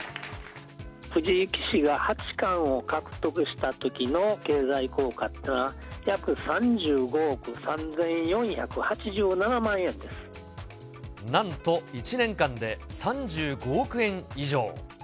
藤井棋士が八冠を獲得したときの経済効果というのは、なんと１年間で３５億円以上。